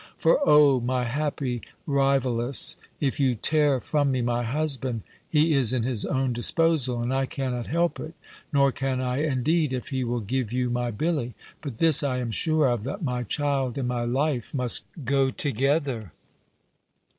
For, oh, my happy rivaless! if you tear from me my husband, he is in his own disposal, and I cannot help it: nor can I indeed, if he will give you my Billy. But this I am sure of, that my child and my life must go together!